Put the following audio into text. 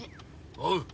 おう！